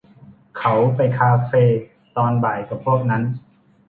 เขาไปคาเฟตอนบ่ายกับพวกนั้น